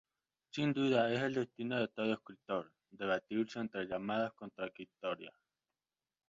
Sin duda es el destino de todo escritor debatirse entre llamadas contradictorias.